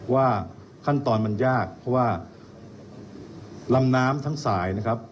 ว่าขั้นตอนมันยากเพราะว่าลำน้ำทั้งสายนะครับ